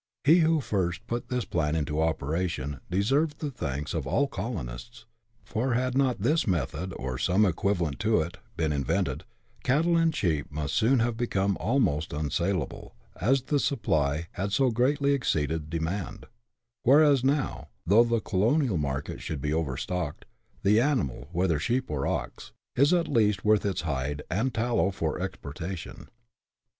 He who first put this plan into operation deserved the thanks of all the colonists, for had not this method, or some equivalent to it, been invented, cattle and sheep must soon have become almost unsaleable, as the supply had so greatly exceeded the demand, whereas now, though the colonial market should be overstocked, the animal, whether sheep or ox, is at least worth its hide and tallow for exportation.